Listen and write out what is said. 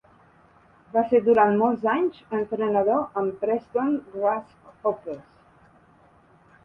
Va ser durant molts anys entrenador amb Preston Grasshoppers.